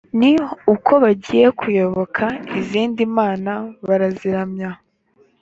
ni uko bagiye kuyoboka izindi mana, baraziramya,